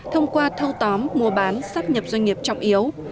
thông qua thâu tóm mua bán sắp nhập doanh nghiệp trọng yếu